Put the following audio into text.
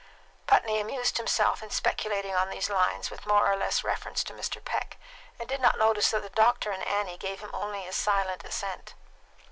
Putney amused himself in speculating on these lines with more or less reference to Mr. Peck, and did not notice that the doctor and Annie gave him only a silent assent.